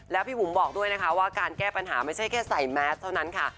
แล้วพี่บุ๋มบอกด้วยนะคะว่าการแก้ปัญหาไม่ใช่แค่ใส่แมสเท่านั้นค่ะ